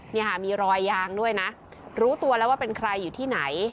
นี่ค่ะมีรอยยางด้วยนะรู้ตัวแล้วว่าเป็นใครอยู่ที่ไหน